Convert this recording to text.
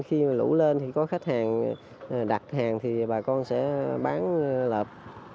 khi mà lũ lên thì có khách hàng đặt hàng thì bà con sẽ bán lợp